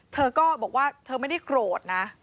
เธอก็บอกว่าเธอไม่ได้โกรธนะ